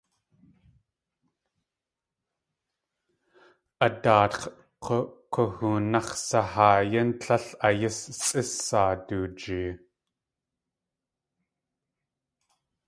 A daatx̲ k̲ukoonax̲sahaayín tlél a yís sʼísaa du jee.